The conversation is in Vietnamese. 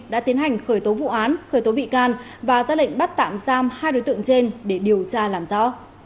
đã tiến hành khởi tố vụ án khởi tố bị can và ra lệnh bắt tạm giam hai đối tượng trên để điều tra làm rõ